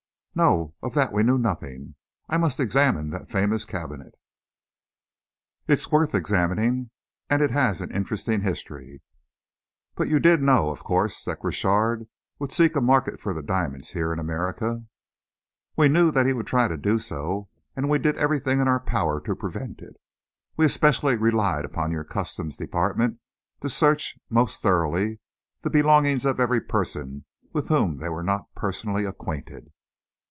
"No; of that we knew nothing. I must examine that famous cabinet." "It is worth examining. And it has an interesting history. But you did know, of course, that Crochard would seek a market for the diamonds here in America?" "We knew that he would try to do so, and we did everything in our power to prevent it. We especially relied upon your customs department to search most thoroughly the belongings of every person with whom they were not personally acquainted."